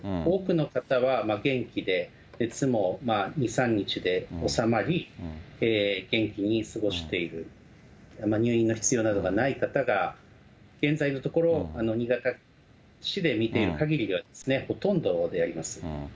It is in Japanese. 多くの方は元気で、熱も２、３日で治まり、元気に過ごしている、入院の必要などがない方が、現在のところ、新潟市で見ているかぎりではほとんどであります。